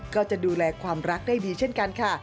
ก็จะดูแลความรักได้ดีเช่นกันค่ะ